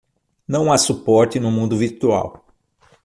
Não há suporte no mundo virtual.